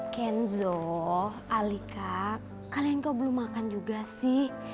kenzo alika kalian kau belum makan juga sih